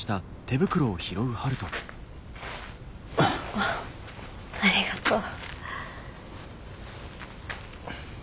あありがとう。